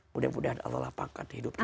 mudah mudahan allah lapangkan hidup kita